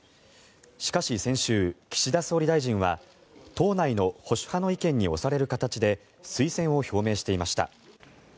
しかし先週、岸田総理大臣は党内の保守派の意見に推される形で推薦を表明していました。